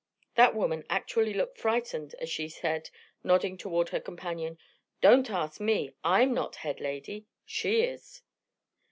That woman actually looked frightened as she said, nodding toward her companion, "Don't ask me. I'm not head lady. She is."